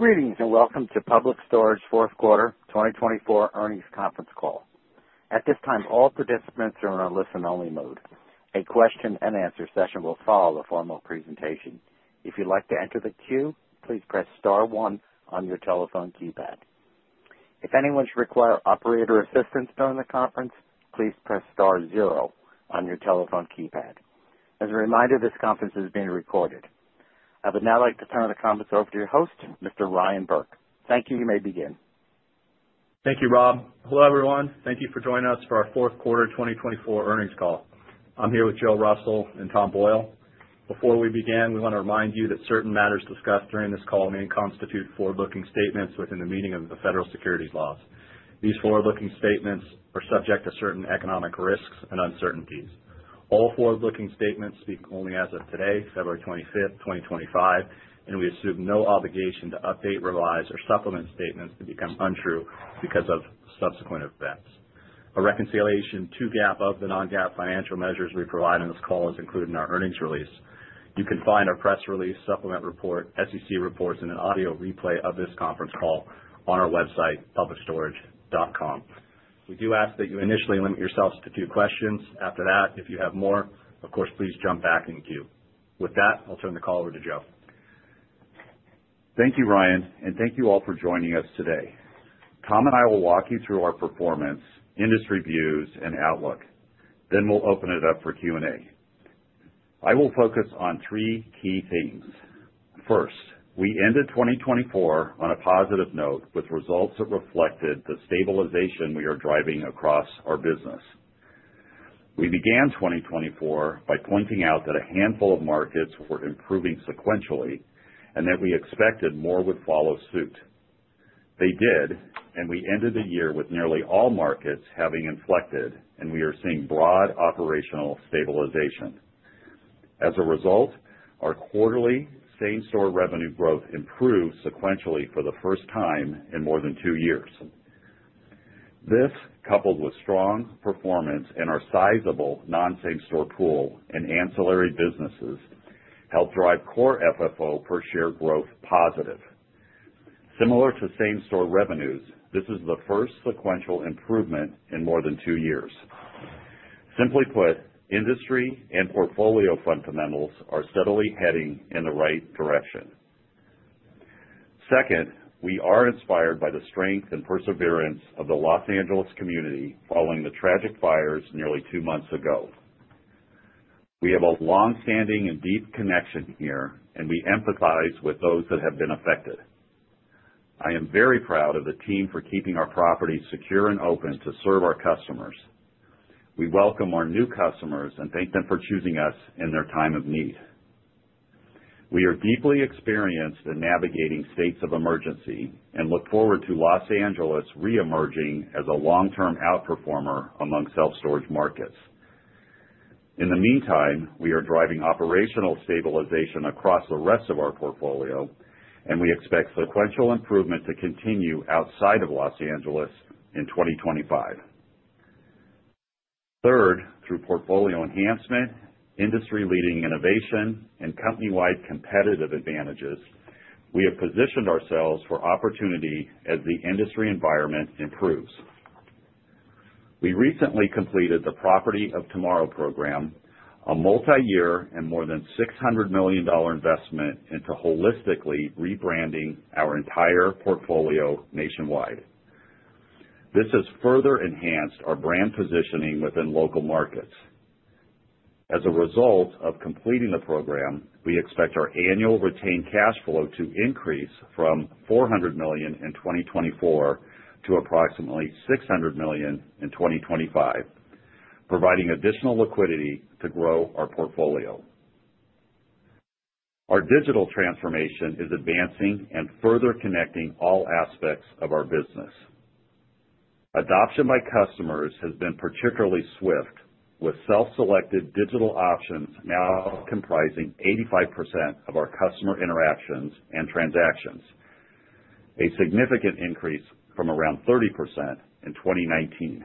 Greetings and welcome to Public Storage Fourth Quarter 2024 earnings conference call. At this time, all participants are in a listen-only mode. A question-and-answer session will follow the formal presentation. If you'd like to enter the queue, please press star one on your telephone keypad. If anyone should require operator assistance during the conference, please press star zero on your telephone keypad. As a reminder, this conference is being recorded. I would now like to turn the conference over to your host, Mr. Ryan Burke. Thank you. You may begin. Thank you, Rob. Hello, everyone. Thank you for joining us for our Fourth Quarter 2024 earnings call. I'm here with Joe Russell and Tom Boyle. Before we begin, we want to remind you that certain matters discussed during this call may constitute forward-looking statements within the meaning of the Federal Securities Laws. These forward-looking statements are subject to certain economic risks and uncertainties. All forward-looking statements speak only as of today, February 25th, 2025, and we assume no obligation to update, revise, or supplement statements that become untrue because of subsequent events. A reconciliation to GAAP of the non-GAAP financial measures we provide in this call is included in our earnings release. You can find our press release, supplement report, SEC reports, and an audio replay of this conference call on our website, publicstorage.com. We do ask that you initially limit yourselves to two questions. After that, if you have more, of course, please jump back in queue. With that, I'll turn the call over to Joe. Thank you, Ryan, and thank you all for joining us today. Tom and I will walk you through our performance, industry views, and outlook. Then we'll open it up for Q&A. I will focus on three key things. First, we ended 2024 on a positive note with results that reflected the stabilization we are driving across our business. We began 2024 by pointing out that a handful of markets were improving sequentially and that we expected more would follow suit. They did, and we ended the year with nearly all markets having inflected, and we are seeing broad operational stabilization. As a result, our quarterly same-store revenue growth improved sequentially for the first time in more than two years. This, coupled with strong performance in our sizable non-same-store pool and ancillary businesses, helped drive Core FFO per share growth positive. Similar to same-store revenues, this is the first sequential improvement in more than two years. Simply put, industry and portfolio fundamentals are steadily heading in the right direction. Second, we are inspired by the strength and perseverance of the Los Angeles community following the tragic fires nearly two months ago. We have a long-standing and deep connection here, and we empathize with those that have been affected. I am very proud of the team for keeping our properties secure and open to serve our customers. We welcome our new customers and thank them for choosing us in their time of need. We are deeply experienced in navigating states of emergency and look forward to Los Angeles reemerging as a long-term outperformer among self-storage markets. In the meantime, we are driving operational stabilization across the rest of our portfolio, and we expect sequential improvement to continue outside of Los Angeles in 2025. Third, through portfolio enhancement, industry-leading innovation, and company-wide competitive advantages, we have positioned ourselves for opportunity as the industry environment improves. We recently completed the Property of Tomorrow program, a multi-year and more than $600 million investment into holistically rebranding our entire portfolio nationwide. This has further enhanced our brand positioning within local markets. As a result of completing the program, we expect our annual retained cash flow to increase from $400 million in 2024 to approximately $600 million in 2025, providing additional liquidity to grow our portfolio. Our digital transformation is advancing and further connecting all aspects of our business. Adoption by customers has been particularly swift, with self-selected digital options now comprising 85% of our customer interactions and transactions, a significant increase from around 30% in 2019.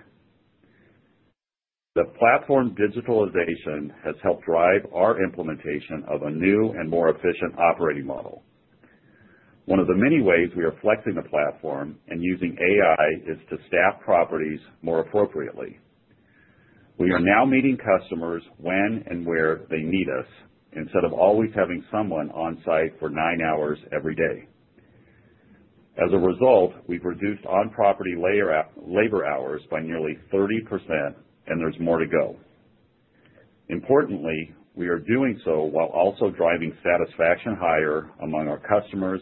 The platform digitalization has helped drive our implementation of a new and more efficient operating model. One of the many ways we are flexing the platform and using AI is to staff properties more appropriately. We are now meeting customers when and where they need us instead of always having someone on-site for nine hours every day. As a result, we've reduced on-property labor hours by nearly 30%, and there's more to go. Importantly, we are doing so while also driving satisfaction higher among our customers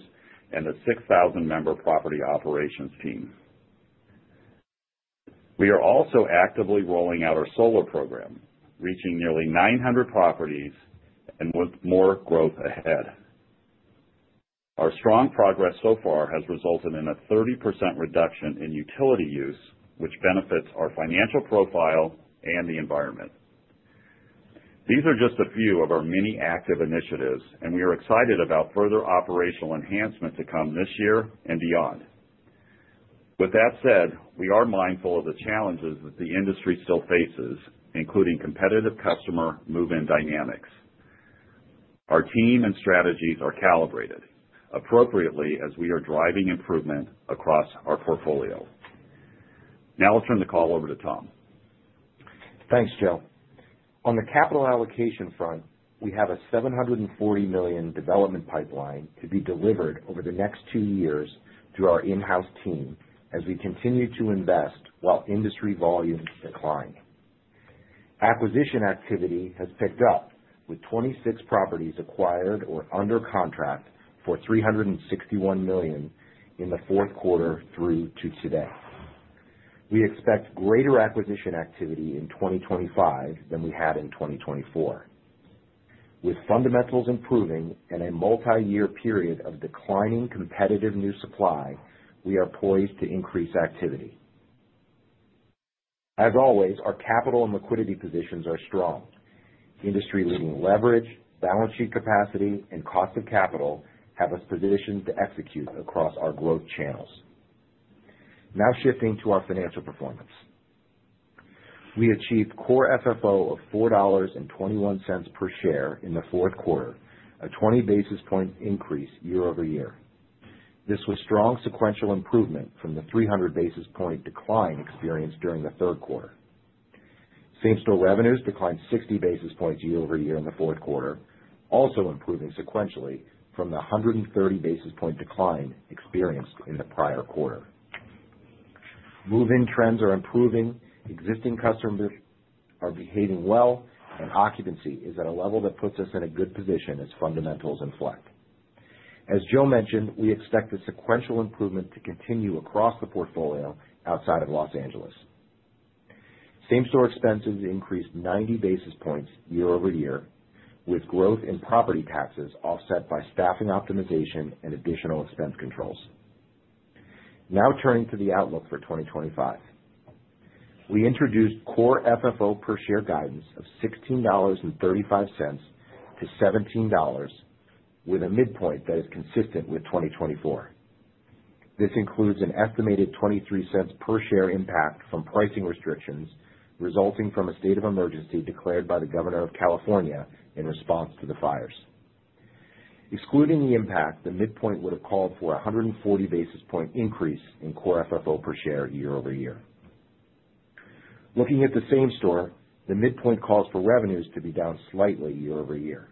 and the 6,000-member property operations team. We are also actively rolling out our solar program, reaching nearly 900 properties and with more growth ahead. Our strong progress so far has resulted in a 30% reduction in utility use, which benefits our financial profile and the environment. These are just a few of our many active initiatives, and we are excited about further operational enhancements to come this year and beyond. With that said, we are mindful of the challenges that the industry still faces, including competitive customer move-in dynamics. Our team and strategies are calibrated appropriately as we are driving improvement across our portfolio. Now I'll turn the call over to Tom. Thanks, Joe. On the capital allocation front, we have a $740 million development pipeline to be delivered over the next two years through our in-house team as we continue to invest while industry volumes decline. Acquisition activity has picked up with 26 properties acquired or under contract for $361 million in the fourth quarter through to today. We expect greater acquisition activity in 2025 than we had in 2024. With fundamentals improving and a multi-year period of declining competitive new supply, we are poised to increase activity. As always, our capital and liquidity positions are strong. Industry-leading leverage, balance sheet capacity, and cost of capital have us positioned to execute across our growth channels. Now shifting to our financial performance. We achieved core FFO of $4.21 per share in the fourth quarter, a 20 basis point increase year-over-year. This was strong sequential improvement from the 300 basis points decline experienced during the third quarter. Same-store revenues declined 60 basis points year-over-year in the fourth quarter, also improving sequentially from the 130 basis points decline experienced in the prior quarter. Move-in trends are improving. Existing customers are behaving well, and occupancy is at a level that puts us in a good position as fundamentals inflect. As Joe mentioned, we expect the sequential improvement to continue across the portfolio outside of Los Angeles. Same-store expenses increased 90 basis points year-over-year, with growth in property taxes offset by staffing optimization and additional expense controls. Now turning to the outlook for 2025. We introduced core FFO per share guidance of $16.35-$17, with a midpoint that is consistent with 2024. This includes an estimated $0.23 per share impact from pricing restrictions resulting from a state of emergency declared by the Governor of California in response to the fires. Excluding the impact, the midpoint would have called for a 140 basis point increase in core FFO per share year-over-year. Looking at the same store, the midpoint calls for revenues to be down slightly year-over-year.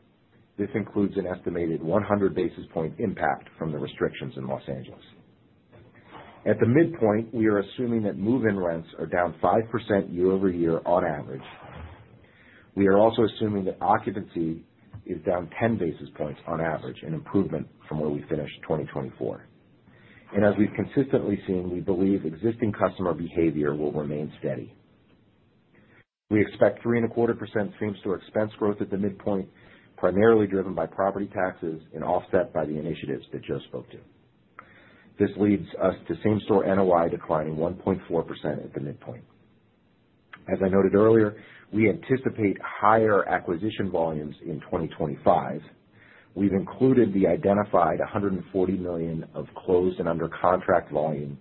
This includes an estimated 100 basis point impact from the restrictions in Los Angeles. At the midpoint, we are assuming that move-in rents are down 5% year-over-year on average. We are also assuming that occupancy is down 10 basis points on average, an improvement from where we finished 2024. As we've consistently seen, we believe existing customer behavior will remain steady. We expect 3.25% same-store expense growth at the midpoint, primarily driven by property taxes and offset by the initiatives that Joe spoke to. This leads us to same-store NOI declining 1.4% at the midpoint. As I noted earlier, we anticipate higher acquisition volumes in 2025. We've included the identified $140 million of closed and under contract volume,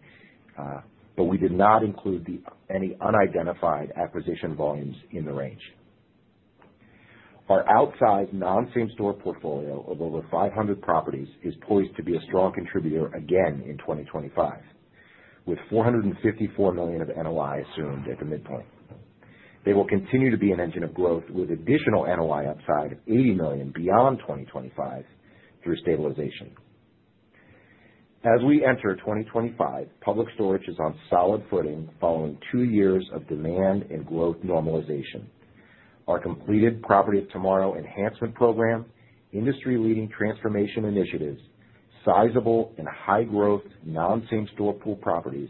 but we did not include any unidentified acquisition volumes in the range. Our outside non-same-store portfolio of over 500 properties is poised to be a strong contributor again in 2025, with $454 million of NOI assumed at the midpoint. They will continue to be an engine of growth with additional NOI upside of $80 million beyond 2025 through stabilization. As we enter 2025, Public Storage is on solid footing following two years of demand and growth normalization. Our completed Property of Tomorrow enhancement program, industry-leading transformation initiatives, sizable and high-growth non-same-store pool properties,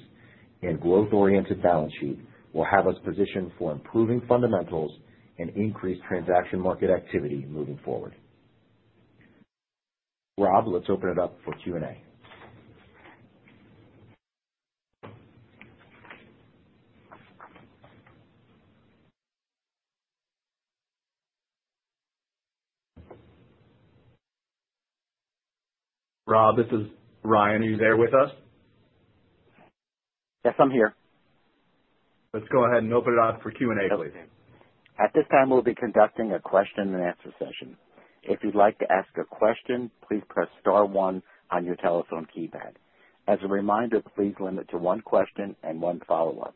and growth-oriented balance sheet will have us positioned for improving fundamentals and increased transaction market activity moving forward. Rob, let's open it up for Q&A. Rob, this is Ryan. Are you there with us? Yes, I'm here. Let's go ahead and open it up for Q&A, please. At this time, we'll be conducting a question-and-answer session. If you'd like to ask a question, please press star one on your telephone keypad. As a reminder, please limit to one question and one follow-up.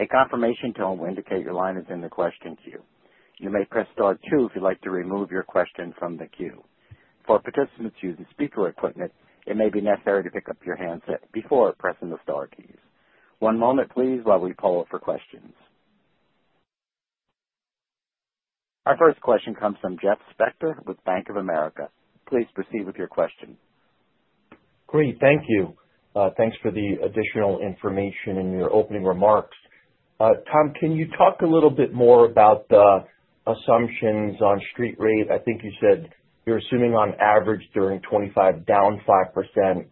A confirmation tone will indicate your line is in the question queue. You may press star two if you'd like to remove your question from the queue. For participants using speaker equipment, it may be necessary to pick up your handset before pressing the star keys. One moment, please, while we poll for questions. Our first question comes from Jeff Spector with Bank of America. Please proceed with your question. Great. Thank you. Thanks for the additional information in your opening remarks. Tom, can you talk a little bit more about the assumptions on street rate? I think you said you're assuming on average during 2025 down 5%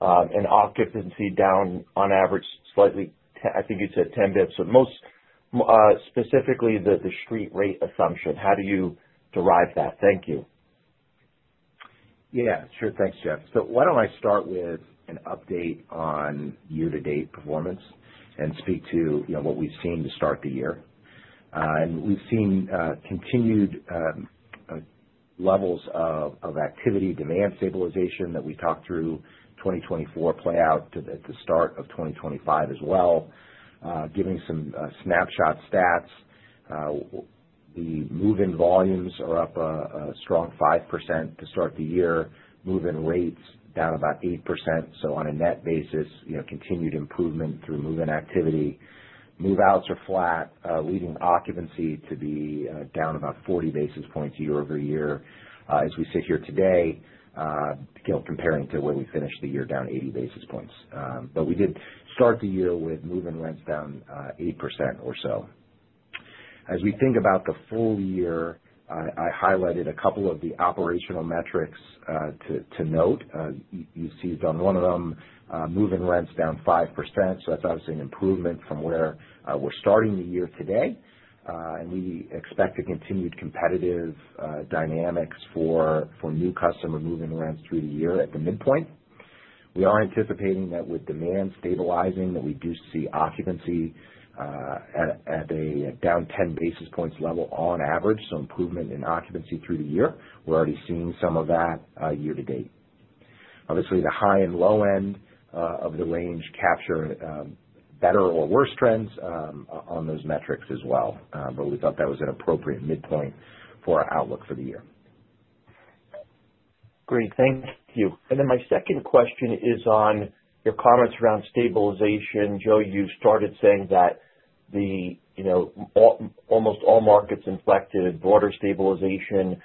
and occupancy down on average slightly, I think you said 10 basis points. So most specifically, the street rate assumption. How do you derive that? Thank you. Yeah, sure. Thanks, Jeff. So why don't I start with an update on year-to-date performance and speak to what we've seen to start the year, and we've seen continued levels of activity, demand stabilization that we talked through 2024 play out at the start of 2025 as well. Giving some snapshot stats, the move-in volumes are up a strong 5% to start the year. Move-in rates down about 8%. So on a net basis, continued improvement through move-in activity. Move-outs are flat, leaving occupancy to be down about 40 basis points year-over-year. As we sit here today, comparing to where we finished the year, down 80 basis points, but we did start the year with move-in rents down 8% or so. As we think about the full year, I highlighted a couple of the operational metrics to note. You seized on one of them, move-in rents down 5%. So that's obviously an improvement from where we're starting the year today. And we expect to continue competitive dynamics for new customer move-in rents through the year at the midpoint. We are anticipating that with demand stabilizing, that we do see occupancy at a down 10 basis points level on average. So improvement in occupancy through the year. We're already seeing some of that year-to-date. Obviously, the high and low end of the range capture better or worse trends on those metrics as well. But we thought that was an appropriate midpoint for our outlook for the year. Great. Thank you. And then my second question is on your comments around stabilization. Joe, you started saying that almost all markets inflected broader stabilization.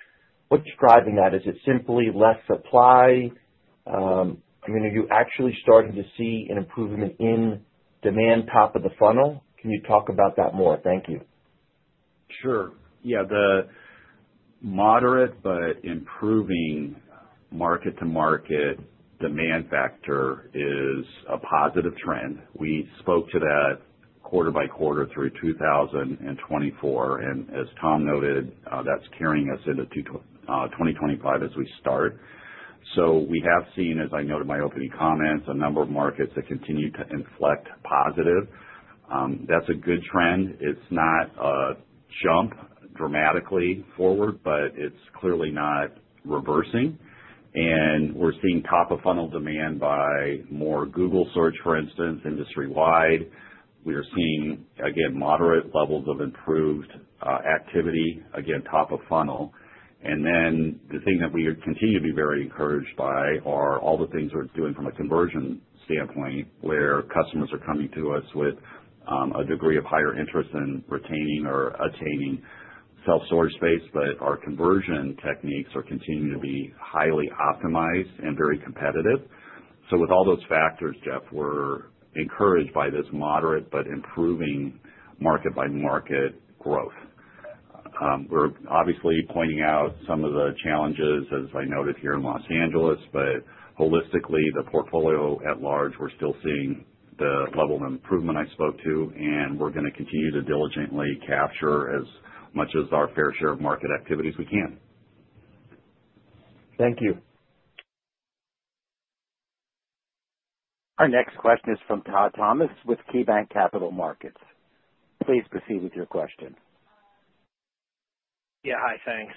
What's driving that? Is it simply less supply? I mean, are you actually starting to see an improvement in demand top of the funnel? Can you talk about that more? Thank you. Sure. Yeah. The moderate but improving market-to-market demand factor is a positive trend. We spoke to that quarter by quarter through 2024. And as Tom noted, that's carrying us into 2025 as we start. So we have seen, as I noted in my opening comments, a number of markets that continue to inflect positive. That's a good trend. It's not a jump dramatically forward, but it's clearly not reversing. And we're seeing top-of-funnel demand by more Google search, for instance, industry-wide. We are seeing, again, moderate levels of improved activity, again, top-of-funnel. And then the thing that we continue to be very encouraged by are all the things we're doing from a conversion standpoint where customers are coming to us with a degree of higher interest in retaining or attaining self-storage space, but our conversion techniques are continuing to be highly optimized and very competitive. So with all those factors, Jeff, we're encouraged by this moderate but improving market-by-market growth. We're obviously pointing out some of the challenges, as I noted here in Los Angeles, but holistically, the portfolio at large, we're still seeing the level of improvement I spoke to, and we're going to continue to diligently capture as much as our fair share of market activities we can. Thank you. Our next question is from Todd Thomas with KeyBank Capital Markets. Please proceed with your question. Yeah. Hi, thanks.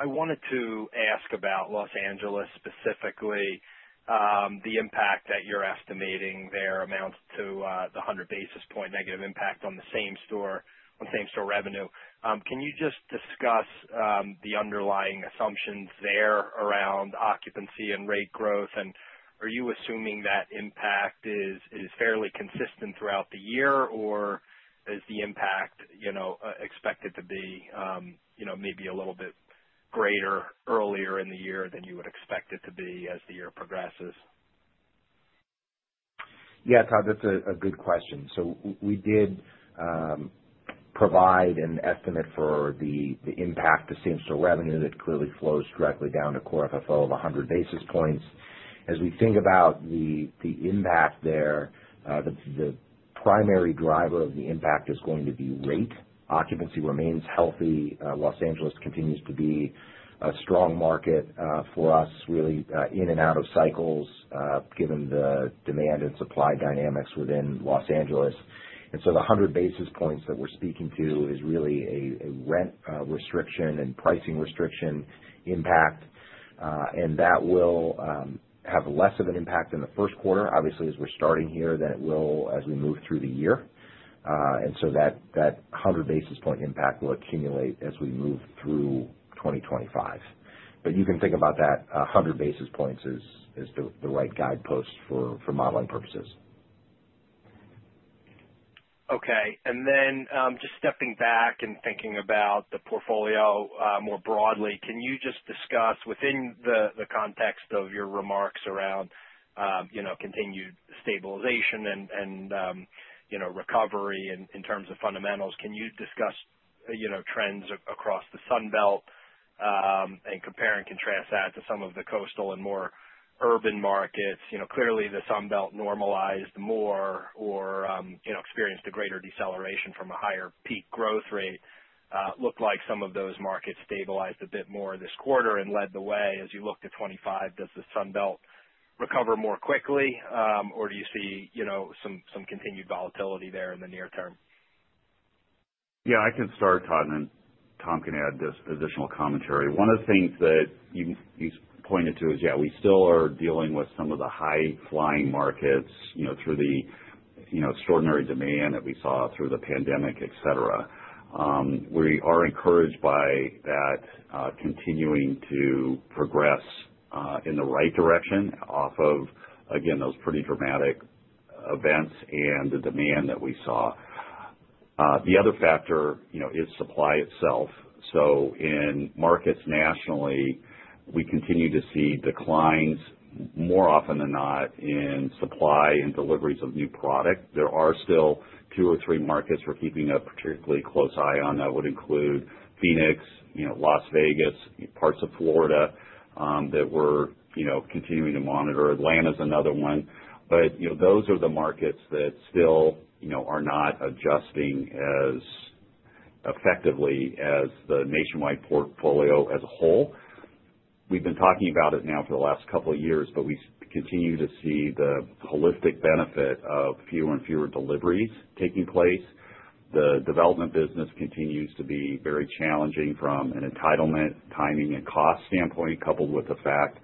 I wanted to ask about Los Angeles specifically, the impact that you're estimating there amounts to the 100 basis points negative impact on the same-store revenue. Can you just discuss the underlying assumptions there around occupancy and rate growth? And are you assuming that impact is fairly consistent throughout the year, or is the impact expected to be maybe a little bit greater earlier in the year than you would expect it to be as the year progresses? Yeah, Todd, that's a good question. So we did provide an estimate for the impact to same-store revenue that clearly flows directly down to core FFO of 100 basis points. As we think about the impact there, the primary driver of the impact is going to be rate. Occupancy remains healthy. Los Angeles continues to be a strong market for us, really in and out of cycles, given the demand and supply dynamics within Los Angeles. And so the 100 basis points that we're speaking to is really a rent restriction and pricing restriction impact. And that will have less of an impact in the first quarter, obviously, as we're starting here, than it will as we move through the year. And so that 100 basis point impact will accumulate as we move through 2025. But you can think about that 100 basis points as the right guidepost for modeling purposes. Okay. And then just stepping back and thinking about the portfolio more broadly, can you just discuss within the context of your remarks around continued stabilization and recovery in terms of fundamentals, can you discuss trends across the Sunbelt and compare and contrast that to some of the coastal and more urban markets? Clearly, the Sunbelt normalized more or experienced a greater deceleration from a higher peak growth rate. Looked like some of those markets stabilized a bit more this quarter and led the way. As you look to 2025, does the Sunbelt recover more quickly, or do you see some continued volatility there in the near term? Yeah, I can start, Todd, and Tom can add this additional commentary. One of the things that you pointed to is, yeah, we still are dealing with some of the high-flying markets through the extraordinary demand that we saw through the pandemic, etc. We are encouraged by that continuing to progress in the right direction off of, again, those pretty dramatic events and the demand that we saw. The other factor is supply itself. So in markets nationally, we continue to see declines more often than not in supply and deliveries of new product. There are still two or three markets we're keeping a particularly close eye on. That would include Phoenix, Las Vegas, parts of Florida that we're continuing to monitor. Atlanta is another one. But those are the markets that still are not adjusting as effectively as the nationwide portfolio as a whole. We've been talking about it now for the last couple of years, but we continue to see the holistic benefit of fewer and fewer deliveries taking place. The development business continues to be very challenging from an entitlement, timing, and cost standpoint, coupled with the fact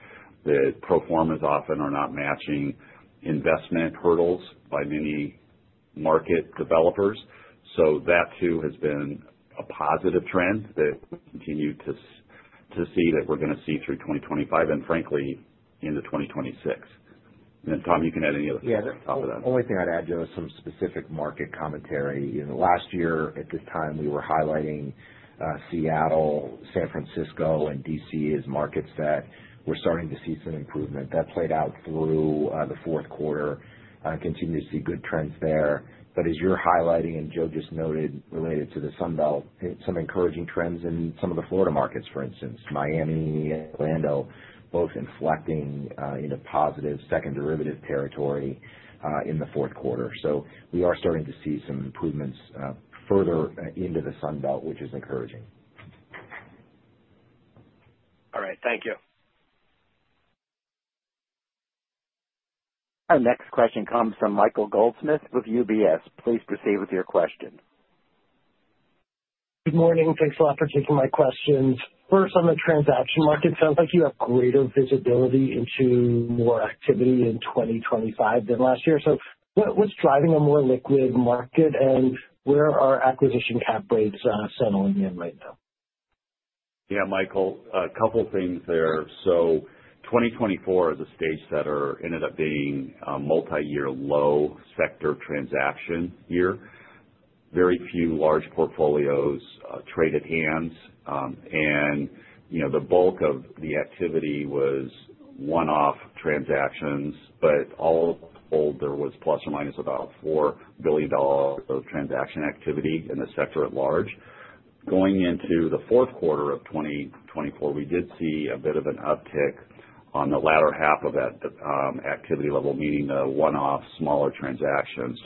that pro forma often are not matching investment hurdles by many market developers. So that too has been a positive trend that we continue to see that we're going to see through 2025 and, frankly, into 2026. And then, Tom, you can add any other things on top of that. Yeah. The only thing I'd add, Joe, is some specific market commentary. Last year, at this time, we were highlighting Seattle, San Francisco, and D.C. as markets that we're starting to see some improvement. That played out through the fourth quarter. Continue to see good trends there. But as you're highlighting, and Joe just noted related to the Sunbelt, some encouraging trends in some of the Florida markets, for instance, Miami, Atlanta, both inflecting into positive second derivative territory in the fourth quarter. So we are starting to see some improvements further into the Sunbelt, which is encouraging. All right. Thank you. Our next question comes from Michael Goldsmith with UBS. Please proceed with your question. Good morning. Thanks a lot for taking my questions. First, on the transaction market, it sounds like you have greater visibility into more activity in 2025 than last year. So what's driving a more liquid market, and where are acquisition cap rates settling in right now? Yeah, Michael, a couple of things there. 2024, as a stage setter, ended up being a multi-year low sector transaction year. Very few large portfolios traded hands. The bulk of the activity was one-off transactions, but all told, there was plus or minus about $4 billion of transaction activity in the sector at large. Going into the fourth quarter of 2024, we did see a bit of an uptick on the latter half of that activity level, meaning the one-off smaller transactions.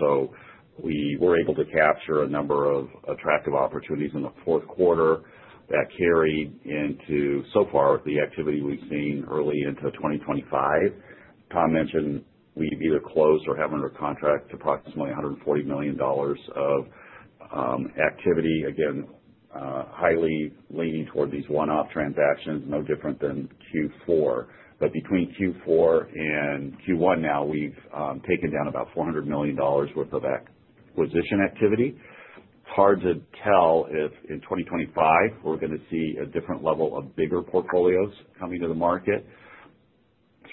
We were able to capture a number of attractive opportunities in the fourth quarter that carried into, so far, the activity we've seen early into 2025. Tom mentioned we've either closed or have under contract approximately $140 million of activity. Again, highly leaning toward these one-off transactions, no different than Q4. Between Q4 and Q1 now, we've taken down about $400 million worth of acquisition activity. It's hard to tell if in 2025 we're going to see a different level of bigger portfolios coming to the market.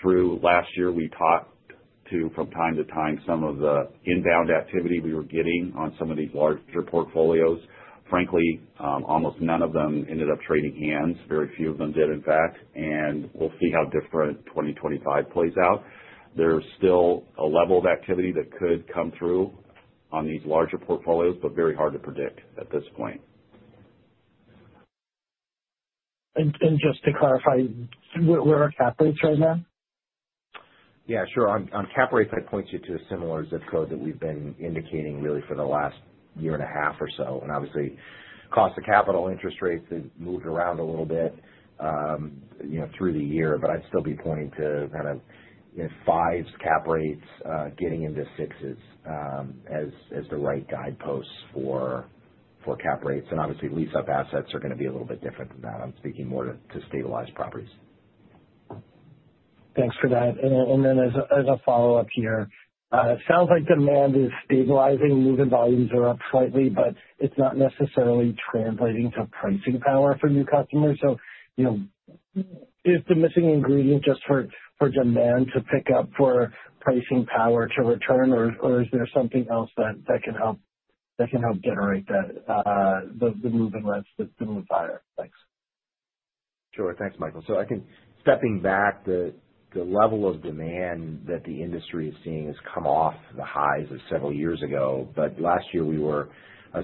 Through last year, we talked to, from time to time, some of the inbound activity we were getting on some of these larger portfolios. Frankly, almost none of them ended up trading hands. Very few of them did, in fact. And we'll see how different 2025 plays out. There's still a level of activity that could come through on these larger portfolios, but very hard to predict at this point. Just to clarify, where are cap rates right now? Yeah, sure. On cap rates, I'd point you to a similar zip code that we've been indicating really for the last year and a half or so. And obviously, cost of capital, interest rates have moved around a little bit through the year, but I'd still be pointing to kind of fives cap rates getting into sixes as the right guideposts for cap rates. And obviously, lease-up assets are going to be a little bit different than that. I'm speaking more to stabilized properties. Thanks for that. And then as a follow-up here, it sounds like demand is stabilizing. Move-in volumes are up slightly, but it's not necessarily translating to pricing power for new customers. So is the missing ingredient just for demand to pick up for pricing power to return, or is there something else that can help generate the move-in rents to move higher? Thanks. Sure. Thanks, Michael. So I think stepping back, the level of demand that the industry is seeing has come off the highs of several years ago. But last year, we were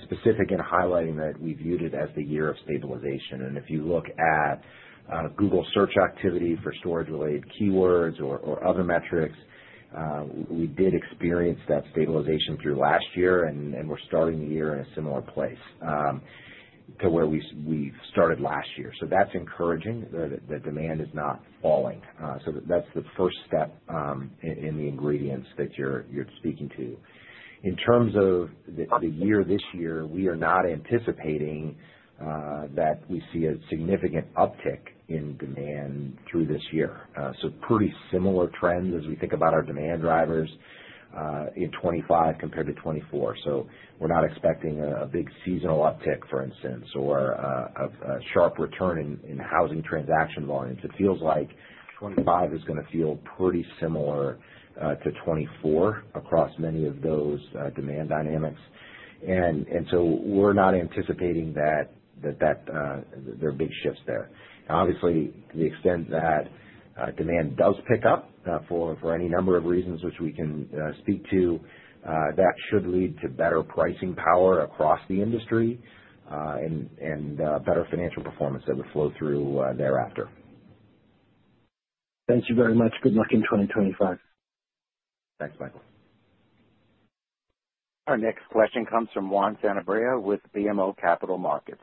specific in highlighting that we viewed it as the year of stabilization. And if you look at Google search activity for storage-related keywords or other metrics, we did experience that stabilization through last year, and we're starting the year in a similar place to where we started last year. So that's encouraging. The demand is not falling. So that's the first step in the ingredients that you're speaking to. In terms of the year this year, we are not anticipating that we see a significant uptick in demand through this year. So pretty similar trends as we think about our demand drivers in 2025 compared to 2024. So we're not expecting a big seasonal uptick, for instance, or a sharp return in housing transaction volumes. It feels like 2025 is going to feel pretty similar to 2024 across many of those demand dynamics. And so we're not anticipating that there are big shifts there. Obviously, to the extent that demand does pick up for any number of reasons which we can speak to, that should lead to better pricing power across the industry and better financial performance that would flow through thereafter. Thank you very much. Good luck in 2025. Thanks, Michael. Our next question comes from Juan Sanabria with BMO Capital Markets.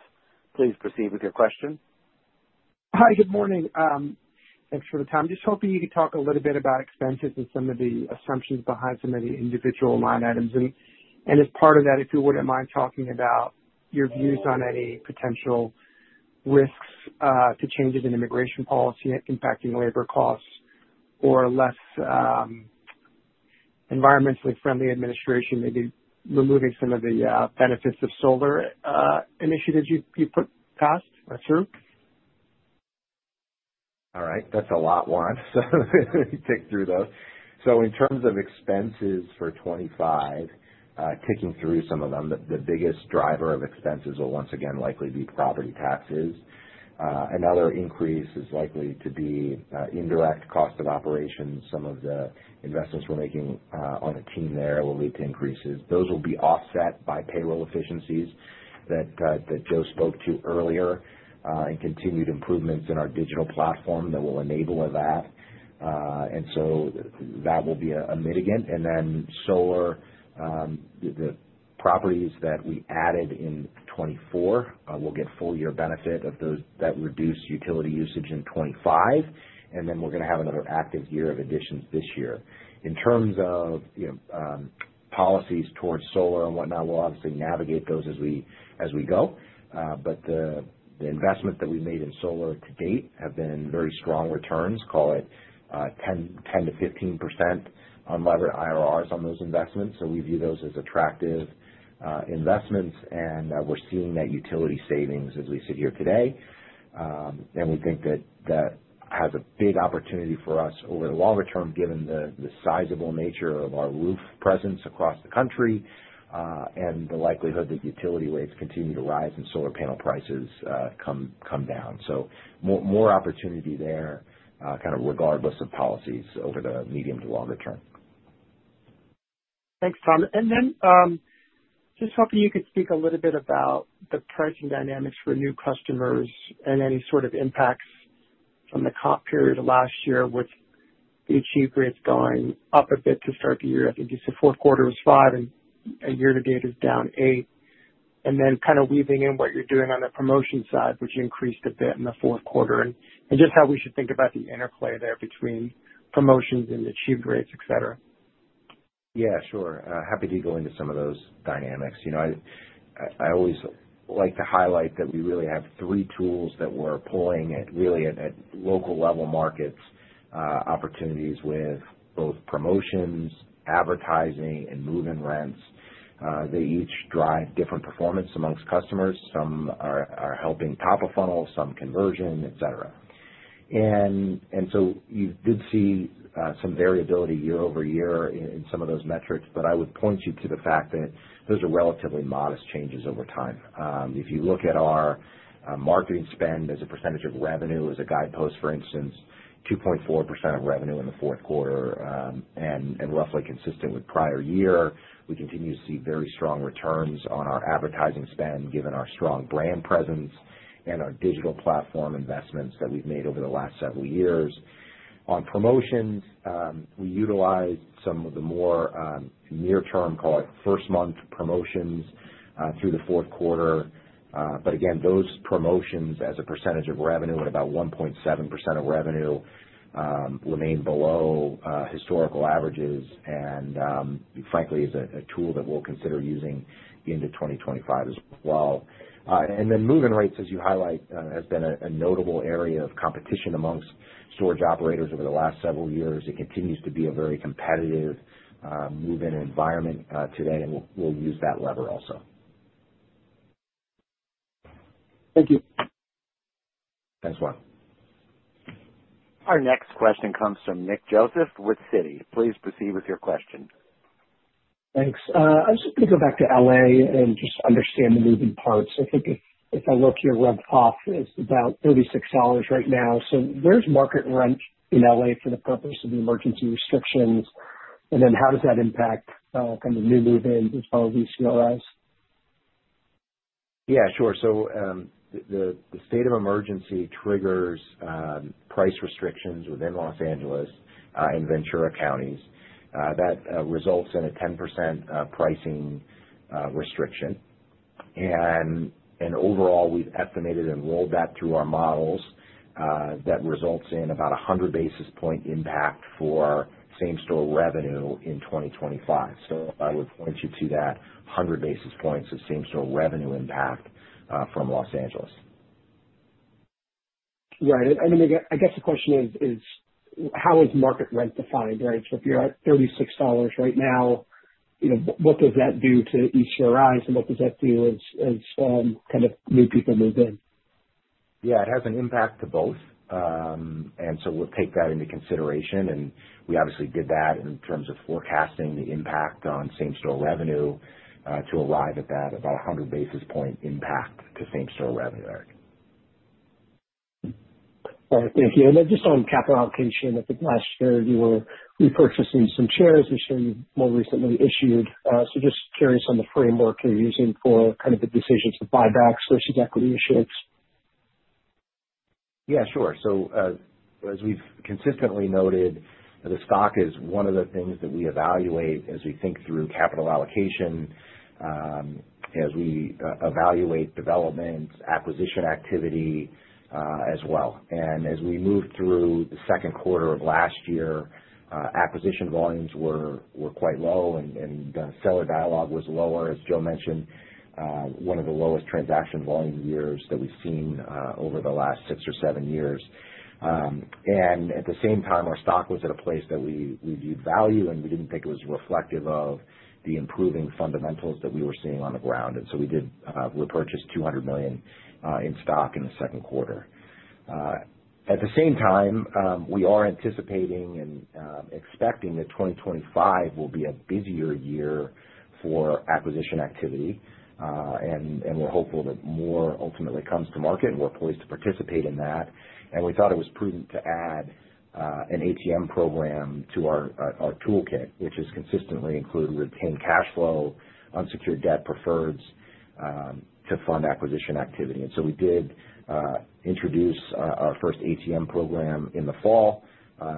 Please proceed with your question. Hi, good morning. Thanks for the time. Just hoping you could talk a little bit about expenses and some of the assumptions behind some of the individual line items, and as part of that, if you wouldn't mind talking about your views on any potential risks to changes in immigration policy impacting labor costs or less environmentally friendly administration, maybe removing some of the benefits of solar initiatives you've put in place. All right. That's a lot, Juan. So let me pick through those. So in terms of expenses for 2025, ticking through some of them, the biggest driver of expenses will once again likely be property taxes. Another increase is likely to be indirect cost of operations. Some of the investments we're making on the team there will lead to increases. Those will be offset by payroll efficiencies that Joe spoke to earlier and continued improvements in our digital platform that will enable that. And so that will be a mitigant. And then solar, the properties that we added in 2024 will get full-year benefit of those that reduce utility usage in 2025. And then we're going to have another active year of additions this year. In terms of policies towards solar and whatnot, we'll obviously navigate those as we go. But the investment that we've made in solar to date have been very strong returns. Call it 10%-15% on levered IRRs on those investments. So we view those as attractive investments. And we're seeing that utility savings as we sit here today. And we think that that has a big opportunity for us over the longer term given the sizable nature of our roof presence across the country and the likelihood that utility rates continue to rise and solar panel prices come down. So more opportunity there kind of regardless of policies over the medium to longer term. Thanks, Tom. And then just hoping you could speak a little bit about the pricing dynamics for new customers and any sort of impacts from the comp period of last year with the achieved rates going up a bit to start the year. I think you said fourth quarter was 5% and year to date is down 8%. And then kind of weaving in what you're doing on the promotion side, which increased a bit in the fourth quarter. And just how we should think about the interplay there between promotions and achieved rates, etc. Yeah, sure. Happy to go into some of those dynamics. I always like to highlight that we really have three tools that we're pulling at really at local level markets opportunities with both promotions, advertising, and move-in rents. They each drive different performance amongst customers. Some are helping top of funnel, some conversion, etc. And so you did see some variability year-over-year in some of those metrics, but I would point you to the fact that those are relatively modest changes over time. If you look at our marketing spend as a percentage of revenue as a guidepost, for instance, 2.4% of revenue in the fourth quarter and roughly consistent with prior year, we continue to see very strong returns on our advertising spend given our strong brand presence and our digital platform investments that we've made over the last several years. On promotions, we utilize some of the more near-term, call it first-month promotions through the fourth quarter. But again, those promotions as a percentage of revenue at about 1.7% of revenue remain below historical averages and, frankly, is a tool that we'll consider using into 2025 as well. And then move-in rates, as you highlight, has been a notable area of competition among storage operators over the last several years. It continues to be a very competitive moving environment today, and we'll use that lever also. Thank you. Thanks, Juan. Our next question comes from Nick Joseph with Citi. Please proceed with your question. Thanks. I was just going to go back to LA and just understand the moving parts. I think if I look here, rent per foot is about $36 right now. So where's market rent in LA for the purpose of the emergency restrictions? And then how does that impact kind of new move-ins as well as ECRI? Yeah, sure. So the state of emergency triggers price restrictions within Los Angeles and Ventura counties. That results in a 10% pricing restriction. And overall, we've estimated and rolled that through our models, that results in about 100 basis points impact for same-store revenue in 2025. So I would point you to that 100 basis points of same-store revenue impact from Los Angeles. Right. And I guess the question is, how is market rent defined? Right? So if you're at $36 right now, what does that do to ECRIs and what does that do as kind of new people move in? Yeah, it has an impact to both. And so we'll take that into consideration. And we obviously did that in terms of forecasting the impact on same-store revenue to arrive at that, about 100 basis point impact to same-store revenue. All right. Thank you. And then just on capital allocation, I think last year you were repurchasing some shares. This year you more recently issued. So just curious on the framework you're using for kind of the decisions to buybacks versus equity issuance. Yeah, sure. So as we've consistently noted, the stock is one of the things that we evaluate as we think through capital allocation, as we evaluate development, acquisition activity as well. And as we moved through the second quarter of last year, acquisition volumes were quite low and seller dialogue was lower, as Joe mentioned, one of the lowest transaction volume years that we've seen over the last six or seven years. And at the same time, our stock was at a place that we viewed value, and we didn't think it was reflective of the improving fundamentals that we were seeing on the ground. And so we did repurchase $200 million in stock in the second quarter. At the same time, we are anticipating and expecting that 2025 will be a busier year for acquisition activity. And we're hopeful that more ultimately comes to market, and we're poised to participate in that. And we thought it was prudent to add an ATM program to our toolkit, which has consistently included retained cash flow, unsecured debt preferreds to fund acquisition activity. And so we did introduce our first ATM program in the fall.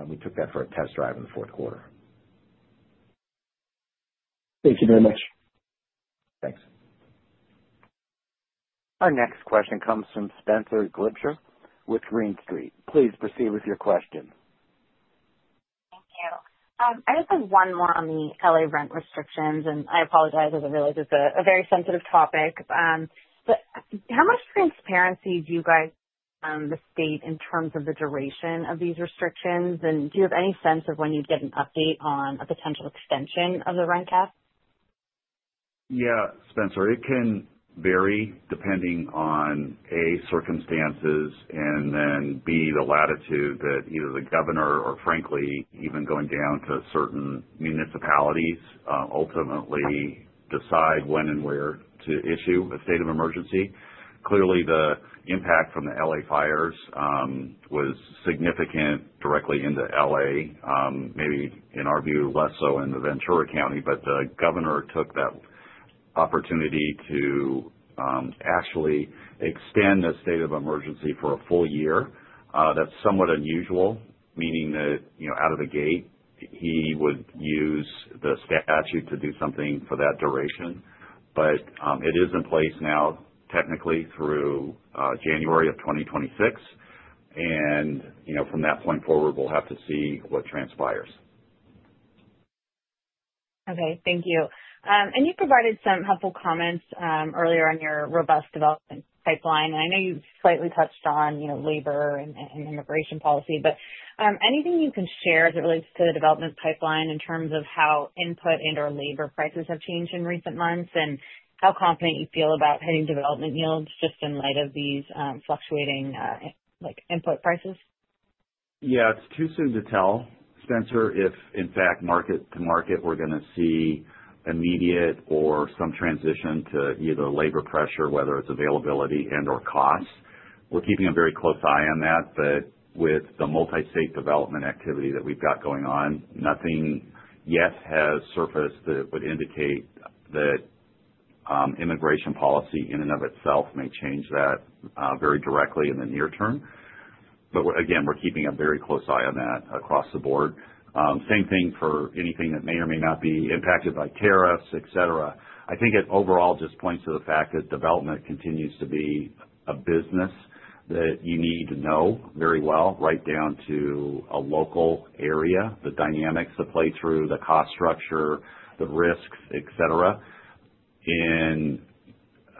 We took that for a test drive in the fourth quarter. Thank you very much. Thanks. Our next question comes from Spenser Allaway with Green Street. Please proceed with your question. Thank you. I just have one more on the LA rent restrictions. And I apologize as I realize it's a very sensitive topic. But how much transparency do you guys have on the state in terms of the duration of these restrictions? And do you have any sense of when you'd get an update on a potential extension of the rent cap? Yeah, Spenser. It can vary depending on, A, circumstances and then, B, the latitude that either the governor or, frankly, even going down to certain municipalities ultimately decide when and where to issue a state of emergency. Clearly, the impact from the LA fires was significant directly into LA, maybe in our view, less so in the Ventura County. But the governor took that opportunity to actually extend a state of emergency for a full year. That's somewhat unusual, meaning that out of the gate, he would use the statute to do something for that duration. But it is in place now technically through January of 2026. And from that point forward, we'll have to see what transpires. Okay. Thank you. And you provided some helpful comments earlier on your robust development pipeline. And I know you slightly touched on labor and immigration policy. But anything you can share as it relates to the development pipeline in terms of how input and/or labor prices have changed in recent months and how confident you feel about hitting development yields just in light of these fluctuating input prices? Yeah. It's too soon to tell, Spenser. If, in fact, market to market, we're going to see immediate or some transition to either labor pressure, whether it's availability and/or costs. We're keeping a very close eye on that. But with the multi-state development activity that we've got going on, nothing yet has surfaced that would indicate that immigration policy in and of itself may change that very directly in the near term. But again, we're keeping a very close eye on that across the board. Same thing for anything that may or may not be impacted by tariffs, etc. I think it overall just points to the fact that development continues to be a business that you need to know very well right down to a local area, the dynamics that play through the cost structure, the risks, etc. In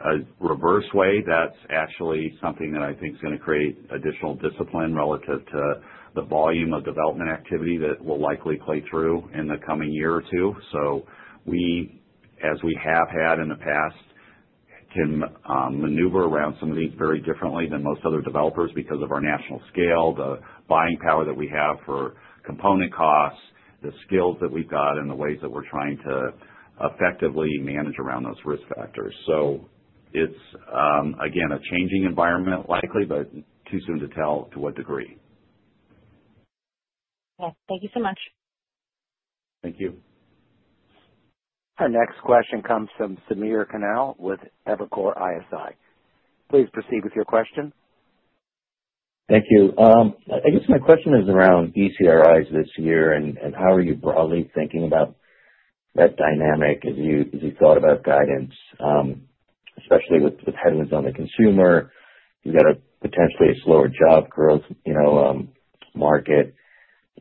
a reverse way, that's actually something that I think is going to create additional discipline relative to the volume of development activity that will likely play through in the coming year or two. So we, as we have had in the past, can maneuver around some of these very differently than most other developers because of our national scale, the buying power that we have for component costs, the skills that we've got, and the ways that we're trying to effectively manage around those risk factors. So it's, again, a changing environment likely, but too soon to tell to what degree. Yes. Thank you so much. Thank you. Our next question comes from Samir Khanal with Evercore ISI. Please proceed with your question. Thank you. I guess my question is around ECRIs this year and how are you broadly thinking about that dynamic as you thought about guidance, especially with headwinds on the consumer. You've got potentially a slower job growth market.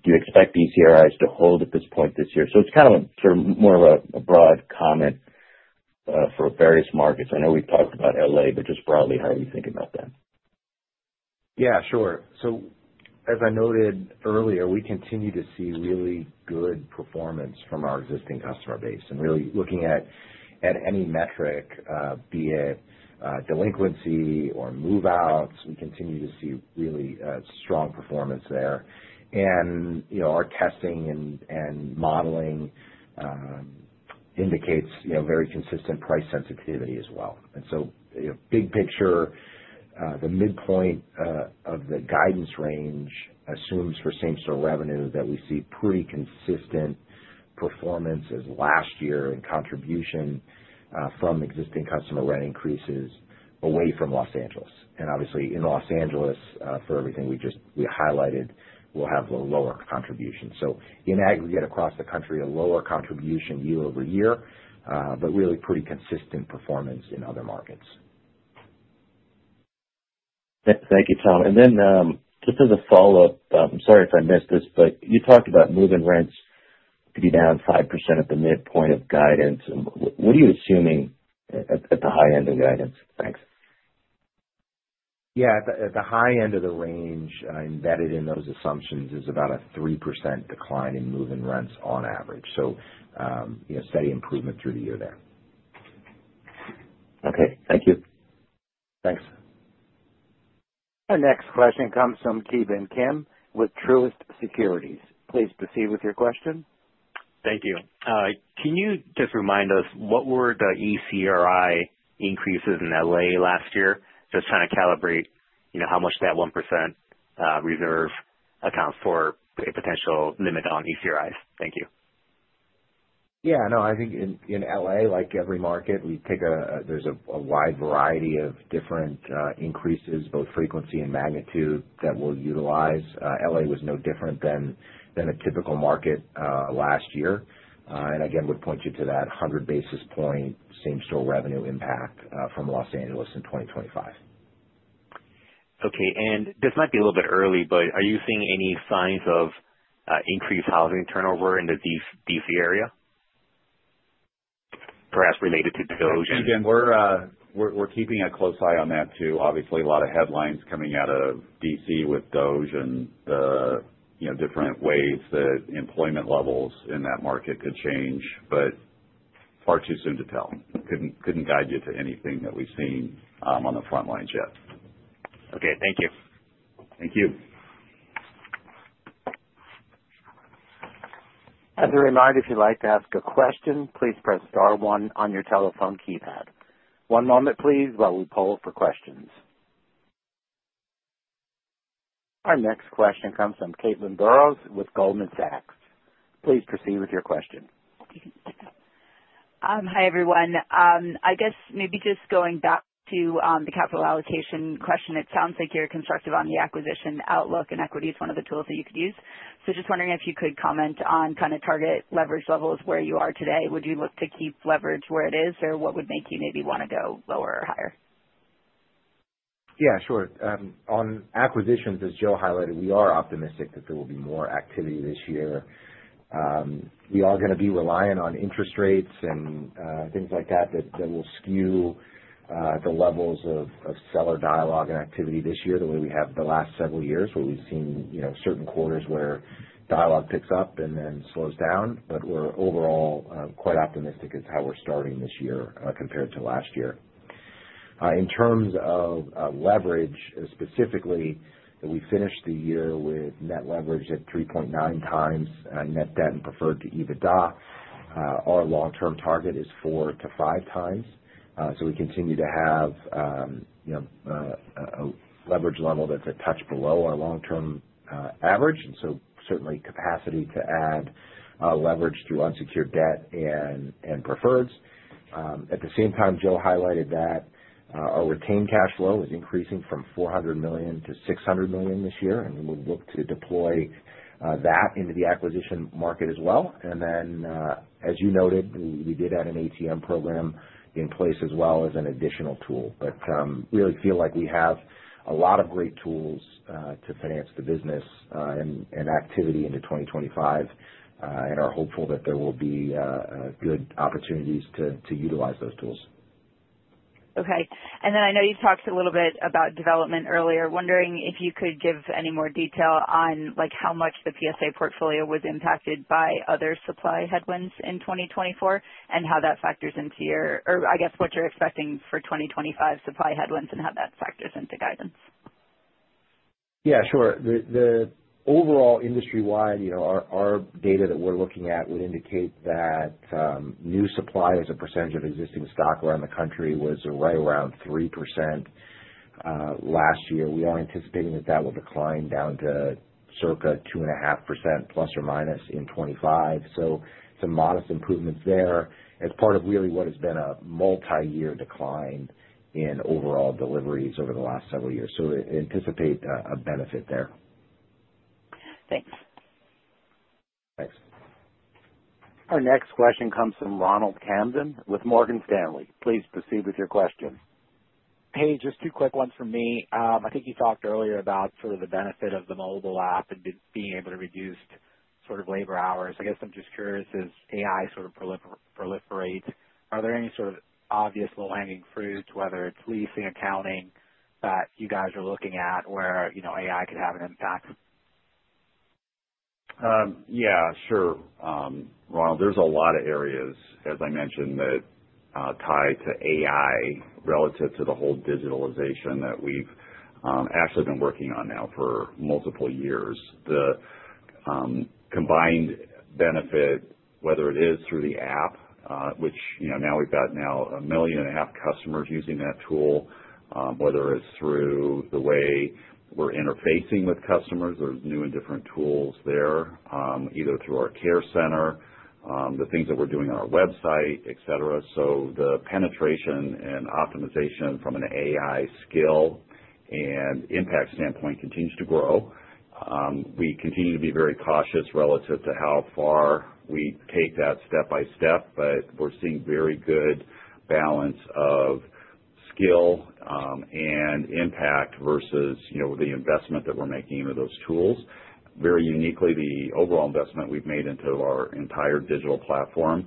Do you expect ECRIs to hold at this point this year? So it's kind of more of a broad comment for various markets. I know we've talked about LA, but just broadly, how are you thinking about that? Yeah, sure. So as I noted earlier, we continue to see really good performance from our existing customer base. And really looking at any metric, be it delinquency or move-outs, we continue to see really strong performance there. And our testing and modeling indicates very consistent price sensitivity as well. And so big picture, the midpoint of the guidance range assumes for same-store revenue that we see pretty consistent performance as last year in contribution from existing customer rent increases away from Los Angeles. And obviously, in Los Angeles, for everything we highlighted, we'll have a lower contribution. So in aggregate across the country, a lower contribution year-over-year, but really pretty consistent performance in other markets. Thank you, Tom. And then just as a follow-up, I'm sorry if I missed this, but you talked about move-in rents to be down 5% at the midpoint of guidance. What are you assuming at the high end of guidance? Thanks. Yeah. At the high end of the range embedded in those assumptions is about a 3% decline in move-in rents on average. So steady improvement through the year there. Okay. Thank you. Thanks. Our next question comes from Ki Bin Kim with Truist Securities. Please proceed with your question. Thank you. Can you just remind us what were the ECRI increases in LA last year? Just trying to calibrate how much that 1% reserve accounts for a potential limit on ECRIs. Thank you. Yeah. No, I think in LA, like every market, there's a wide variety of different increases, both frequency and magnitude that we'll utilize. LA was no different than a typical market last year. And again, would point you to that 100 basis point same-store revenue impact from Los Angeles in 2025. Okay, and this might be a little bit early, but are you seeing any signs of increased housing turnover in the D.C. area, perhaps related to DOGE? Ki Bin, we're keeping a close eye on that too. Obviously, a lot of headlines coming out of DC with DOGE and the different ways that employment levels in that market could change. But far too soon to tell. Couldn't guide you to anything that we've seen on the front lines yet. Okay. Thank you. Thank you. As a reminder, if you'd like to ask a question, please press star one on your telephone keypad. One moment, please, while we poll for questions. Our next question comes from Caitlin Burrows with Goldman Sachs. Please proceed with your question. Hi, everyone. I guess maybe just going back to the capital allocation question, it sounds like you're constructive on the acquisition outlook, and equity is one of the tools that you could use. So just wondering if you could comment on kind of target leverage levels where you are today. Would you look to keep leverage where it is, or what would make you maybe want to go lower or higher? Yeah, sure. On acquisitions, as Joe highlighted, we are optimistic that there will be more activity this year. We are going to be reliant on interest rates and things like that that will skew the levels of seller dialogue and activity this year the way we have the last several years where we've seen certain quarters where dialogue picks up and then slows down. But we're overall quite optimistic as to how we're starting this year compared to last year. In terms of leverage, specifically, we finished the year with net leverage at 3.9x net debt and preferred to EBITDA. Our long-term target is 4x-5x. So we continue to have a leverage level that's a touch below our long-term average, and so certainly capacity to add leverage through unsecured debt and preferreds. At the same time, Joe highlighted that our retained cash flow is increasing from $400 million to $600 million this year. And we'll look to deploy that into the acquisition market as well. And then, as you noted, we did add an ATM program in place as well as an additional tool. But really feel like we have a lot of great tools to finance the business and activity into 2025 and are hopeful that there will be good opportunities to utilize those tools. Okay. And then I know you talked a little bit about development earlier. Wondering if you could give any more detail on how much the PSA portfolio was impacted by other supply headwinds in 2024 and how that factors into your, or I guess what you're expecting for 2025 supply headwinds and how that factors into guidance. Yeah, sure. Overall, industry-wide, our data that we're looking at would indicate that new supply as a percentage of existing stock around the country was right around 3% last year. We are anticipating that that will decline down to circa 2.5% plus or minus in 2025. So some modest improvements there as part of really what has been a multi-year decline in overall deliveries over the last several years. So anticipate a benefit there. Thanks. Thanks. Our next question comes from Ronald Kamdem with Morgan Stanley. Please proceed with your question. Hey, just two quick ones from me. I think you talked earlier about sort of the benefit of the mobile app and being able to reduce sort of labor hours. I guess I'm just curious, as AI sort of proliferates, are there any sort of obvious low-hanging fruits, whether it's leasing, accounting, that you guys are looking at where AI could have an impact? Yeah, sure. Ronald, there's a lot of areas, as I mentioned, that tie to AI relative to the whole digitalization that we've actually been working on now for multiple years. The combined benefit, whether it is through the app, which now we've got a million and a half customers using that tool, whether it's through the way we're interfacing with customers, there's new and different tools there, either through our care center, the things that we're doing on our website, etc. So the penetration and optimization from an AI skill and impact standpoint continues to grow. We continue to be very cautious relative to how far we take that step by step, but we're seeing very good balance of skill and impact versus the investment that we're making into those tools. Very uniquely, the overall investment we've made into our entire digital platform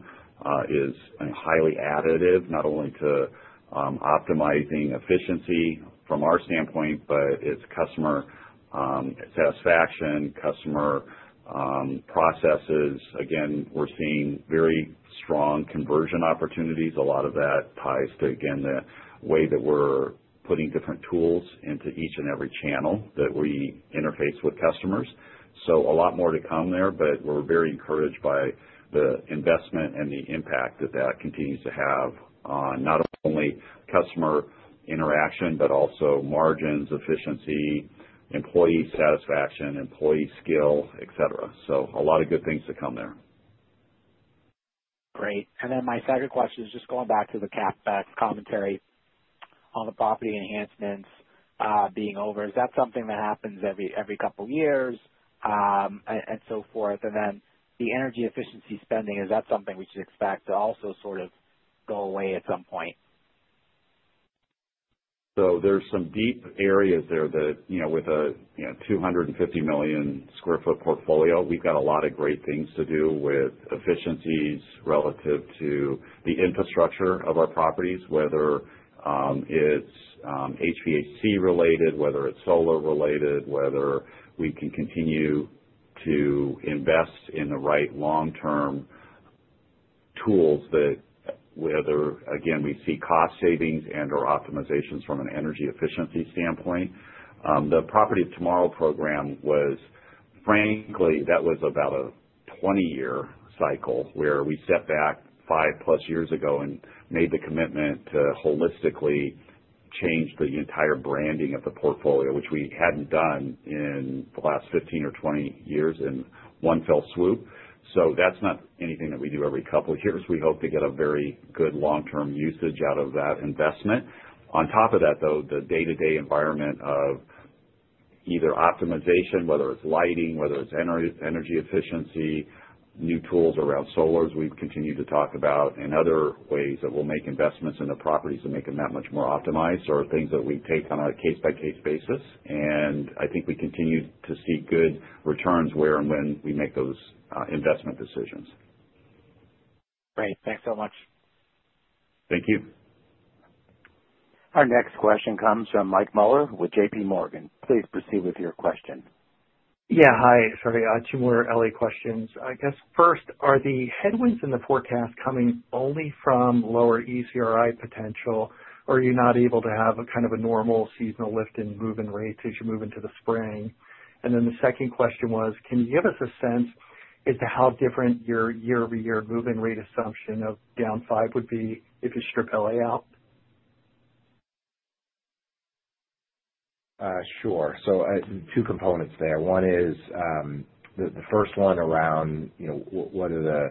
is highly additive, not only to optimizing efficiency from our standpoint, but it's customer satisfaction, customer processes. Again, we're seeing very strong conversion opportunities. A lot of that ties to, again, the way that we're putting different tools into each and every channel that we interface with customers. So a lot more to come there, but we're very encouraged by the investment and the impact that that continues to have on not only customer interaction, but also margins, efficiency, employee satisfaction, employee skill, etc. So a lot of good things to come there. Great. And then my second question is just going back to the CapEx commentary on the property enhancements being over. Is that something that happens every couple of years and so forth? And then the energy efficiency spending, is that something we should expect to also sort of go away at some point? There's some deep areas there that with a 250 million sq ft portfolio, we've got a lot of great things to do with efficiencies relative to the infrastructure of our properties, whether it's HVAC-related, whether it's solar-related, whether we can continue to invest in the right long-term tools that whether, again, we see cost savings and/or optimizations from an energy efficiency standpoint. The Property of Tomorrow program was, frankly, that was about a 20-year cycle where we stepped back five plus years ago and made the commitment to holistically change the entire branding of the portfolio, which we hadn't done in the last 15 or 20 years in one fell swoop. That's not anything that we do every couple of years. We hope to get a very good long-term usage out of that investment. On top of that, though, the day-to-day environment of either optimization, whether it's lighting, whether it's energy efficiency, new tools around solars we've continued to talk about, and other ways that we'll make investments in the properties that make them that much more optimized are things that we take on a case-by-case basis. And I think we continue to see good returns where and when we make those investment decisions. Great. Thanks so much. Thank you. Our next question comes from Michael Mueller with JPMorgan. Please proceed with your question. Yeah. Hi. Sorry. Two more LA questions. I guess first, are the headwinds in the forecast coming only from lower ECRI potential, or are you not able to have kind of a normal seasonal lift in move-in rates as you move into the spring? And then the second question was, can you give us a sense as to how different your year-over-year move-in rate assumption of down five would be if you strip LA out? Sure. There are two components there. One is the first one around what are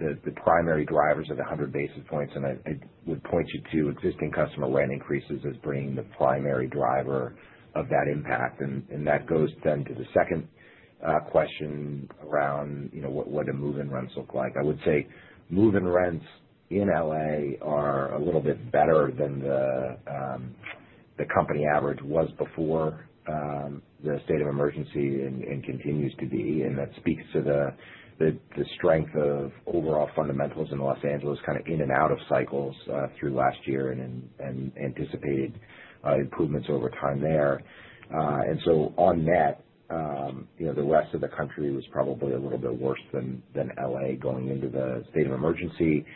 the primary drivers of the 100 basis points. I would point you to existing customer rent increases as being the primary driver of that impact. That goes then to the second question around what do move-in rents look like. I would say move-in rents in LA are a little bit better than the company average was before the state of emergency and continues to be. That speaks to the strength of overall fundamentals in Los Angeles kind of in and out of cycles through last year and anticipated improvements over time there. On that, the rest of the country was probably a little bit worse than LA going into the state of emergency.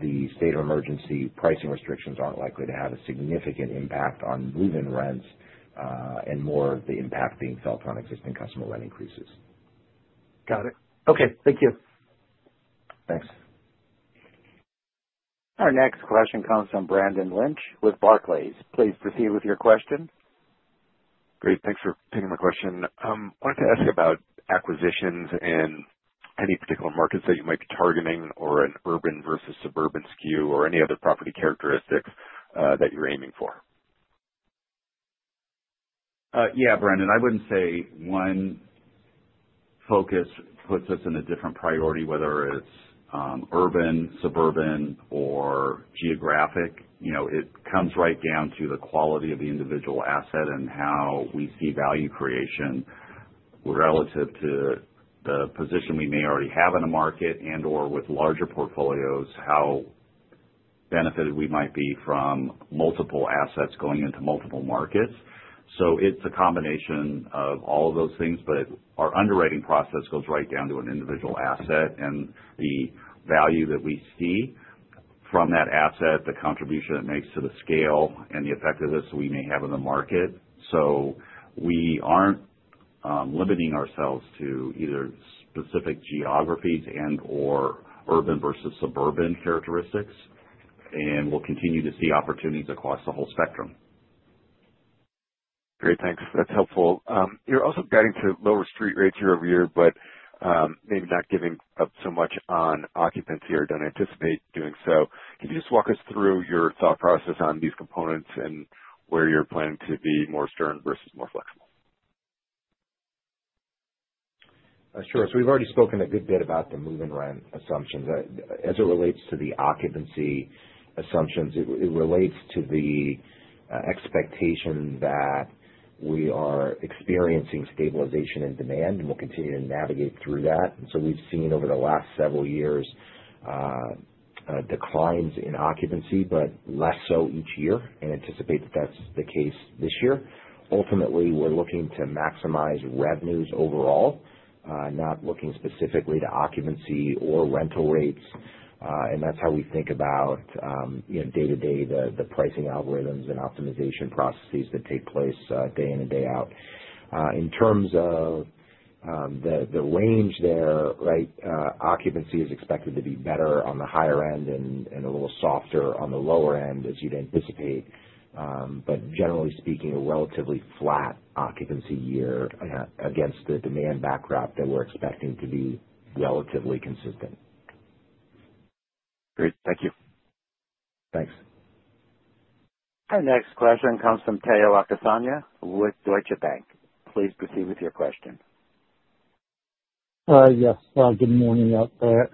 The state of emergency pricing restrictions aren't likely to have a significant impact on move-in rents, and more of the impact being felt on existing customer rent increases. Got it. Okay. Thank you. Thanks. Our next question comes from Brendan Lynch with Barclays. Please proceed with your question. Great. Thanks for taking my question. I wanted to ask about acquisitions and any particular markets that you might be targeting or an urban versus suburban skew or any other property characteristics that you're aiming for. Yeah, Brendan. I wouldn't say one focus puts us in a different priority, whether it's urban, suburban, or geographic. It comes right down to the quality of the individual asset and how we see value creation relative to the position we may already have in a market and/or with larger portfolios, how benefited we might be from multiple assets going into multiple markets. So it's a combination of all of those things, but our underwriting process goes right down to an individual asset and the value that we see from that asset, the contribution it makes to the scale and the effectiveness we may have in the market. So we aren't limiting ourselves to either specific geographies and/or urban versus suburban characteristics. And we'll continue to see opportunities across the whole spectrum. Great. Thanks. That's helpful. You're also guiding to lower street rates year-over-year, but maybe not giving up so much on occupancy or don't anticipate doing so. Can you just walk us through your thought process on these components and where you're planning to be more stern versus more flexible? Sure. So we've already spoken a good bit about the move-in rent assumptions. As it relates to the occupancy assumptions, it relates to the expectation that we are experiencing stabilization in demand and we'll continue to navigate through that. And so we've seen over the last several years declines in occupancy, but less so each year, and anticipate that that's the case this year. Ultimately, we're looking to maximize revenues overall, not looking specifically to occupancy or rental rates. And that's how we think about day-to-day the pricing algorithms and optimization processes that take place day in and day out. In terms of the range there, right, occupancy is expected to be better on the higher end and a little softer on the lower end as you'd anticipate. But generally speaking, a relatively flat occupancy year against the demand backdrop that we're expecting to be relatively consistent. Great. Thank you. Thanks. Our next question comes from Tayo Okusanya with Deutsche Bank. Please proceed with your question. Yes. Good morning, out there.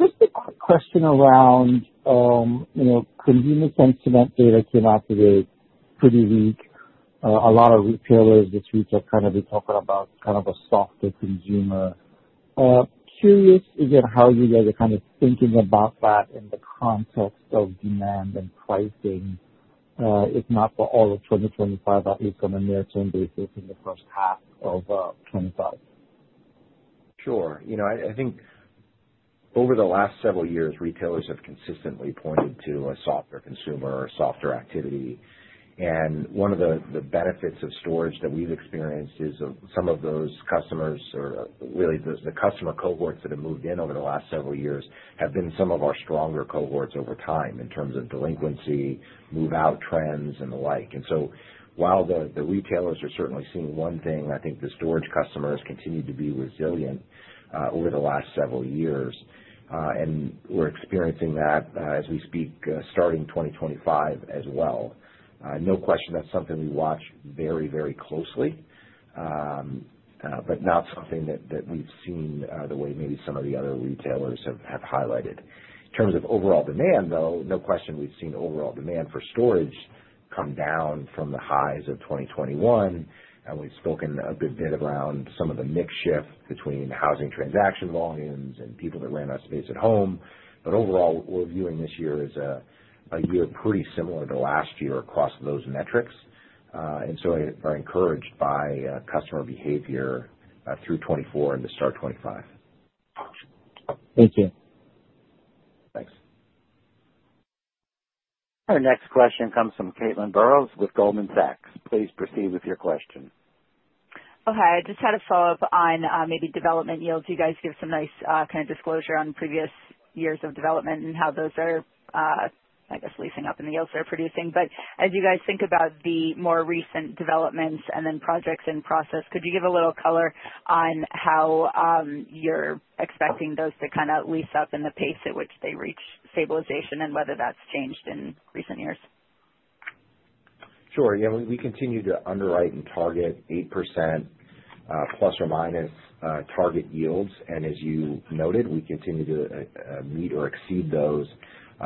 Just a quick question around consumer sentiment. Data came out today pretty weak. A lot of retailers this week are kind of talking about kind of a softer consumer. Curious again how you guys are kind of thinking about that in the context of demand and pricing, if not for all of 2025, at least on a near-term basis in the first half of 2025. Sure. I think over the last several years, retailers have consistently pointed to a softer consumer or softer activity. And one of the benefits of storage that we've experienced is some of those customers or really the customer cohorts that have moved in over the last several years have been some of our stronger cohorts over time in terms of delinquency, move-out trends, and the like. And so while the retailers are certainly seeing one thing, I think the storage customers continue to be resilient over the last several years. And we're experiencing that as we speak starting 2025 as well. No question that's something we watch very, very closely, but not something that we've seen the way maybe some of the other retailers have highlighted. In terms of overall demand, though, no question we've seen overall demand for storage come down from the highs of 2021. And we've spoken a good bit around some of the mix shift between housing transaction volumes and people that rent out space at home. But overall, we're viewing this year as a year pretty similar to last year across those metrics. And so I am encouraged by customer behavior through 2024 and to start 2025. Thank you. Thanks. Our next question comes from Caitlin Burrows with Goldman Sachs. Please proceed with your question. Oh, hi. I just had a follow-up on maybe development yields. You guys give some nice kind of disclosure on previous years of development and how those are, I guess, leasing up in the yields they're producing, but as you guys think about the more recent developments and then projects in process, could you give a little color on how you're expecting those to kind of lease up in the pace at which they reach stabilization and whether that's changed in recent years? Sure. Yeah. We continue to underwrite and target 8% plus or minus target yields. And as you noted, we continue to meet or exceed those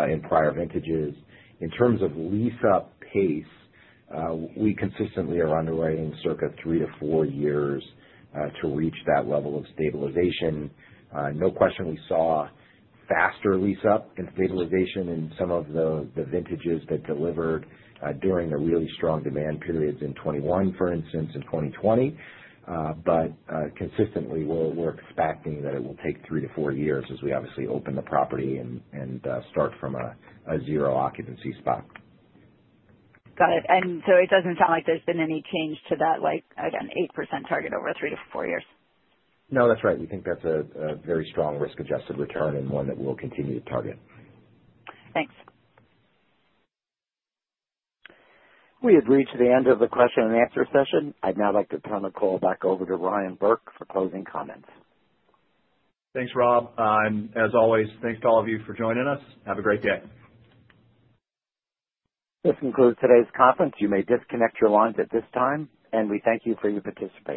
in prior vintages. In terms of lease-up pace, we consistently are underwriting circa three to four years to reach that level of stabilization. No question we saw faster lease-up and stabilization in some of the vintages that delivered during the really strong demand periods in 2021, for instance, and 2020. But consistently, we're expecting that it will take three to four years as we obviously open the property and start from a zero-occupancy spot. Got it. And so it doesn't sound like there's been any change to that, like an 8% target over three to four years? No, that's right. We think that's a very strong risk-adjusted return and one that we'll continue to target. Thanks. We have reached the end of the question-and-answer session. I'd now like to turn the call back over to Ryan Burke for closing comments. Thanks, Rob. And as always, thanks to all of you for joining us. Have a great day. This concludes today's conference. You may disconnect your lines at this time, and we thank you for your participation.